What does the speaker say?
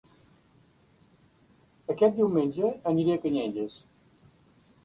Aquest diumenge aniré a Canyelles